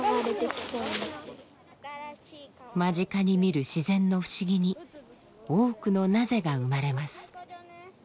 間近に見る自然の不思議に多くのなぜ？が生まれます。